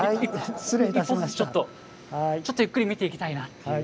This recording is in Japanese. ちょっとゆっくり見ていきたいなっていう。